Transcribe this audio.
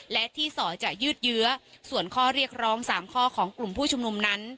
และที่สอจะยืดเยื้อส่วนข้อเรียกร้อง๓ข้อของกลุ่มผู้ชุมนุมนั้น